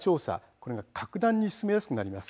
これが格段に進めやすくなります。